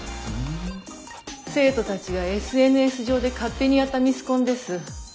生徒たちがＳＮＳ上で勝手にやったミスコンです。